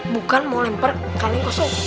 bukan mau lempar kaleng kosong